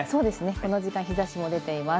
この時間、日差しも出ています。